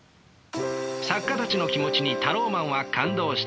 作家たちの気持ちにタローマンは感動した。